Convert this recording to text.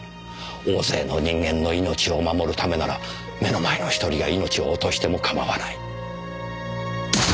大勢の人間の命を守るためなら目の前の１人が命を落としても構わない。